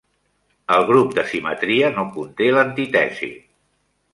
El grup de simetria no conté l'antítesi.